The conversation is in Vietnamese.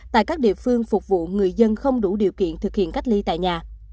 tại các địa phương phục vụ người dân không đủ điều kiện thực hiện cách ly tại nhà